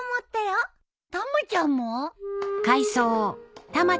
たまちゃんも？